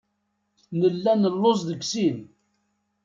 Nella nelluẓ deg sin.